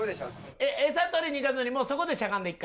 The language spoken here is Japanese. エサ取りに行かずにもうそこでしゃがんで一回。